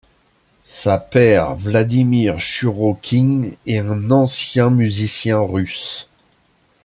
Sa père, Vladimir Shurochkin, est un ancien musicien russe.